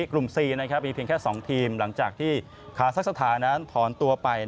กลุ่ม๔มีเพียงแค่๒ทีมหลังจากที่ขาดทรักษศาสตร์นั้นถอนตัวไป